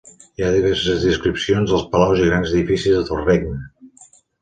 Hi ha diverses descripcions dels palaus i grans edificis del regne.